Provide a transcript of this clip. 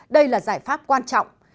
đây là giải pháp quan trọng